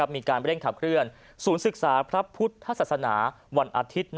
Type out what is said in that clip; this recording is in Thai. มีการเร่งขับเคลื่อนศูนย์ศึกษาพระพุทธศาสนาวันอาทิตย์